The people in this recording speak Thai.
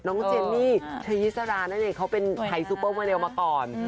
เจนนี่เทยิสรานั่นเองเขาเป็นไทยซูเปอร์มาเรลมาก่อน